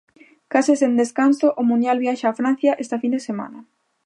Case sen descanso, o mundial viaxa a Francia esta fin de semana.